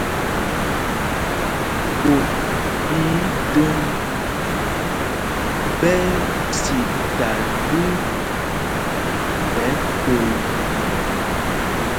Ɓot ɓɛ idôŋ ɓɛ́ ɛ́ tita ɗu ɓɛ kol.